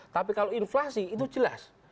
tapi kalau inflasi itu jelas